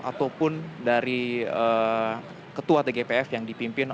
ataupun dari ketua tgpf yang dipimpin